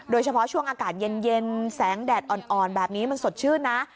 โดยเฉพาะช่วงอากาศเย็นแสงแดดอ่อนแบบนี้มันสดชื่นนะ